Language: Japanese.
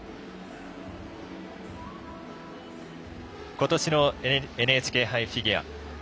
ことしのＮＨＫ杯フィギュア。